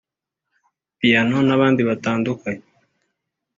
Phyno n’abandi batandukanye